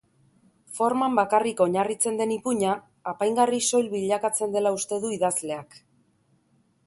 Forman bakarrik oinarritzen den ipuina apaingarri soil bilakatzen dela uste du idazleak.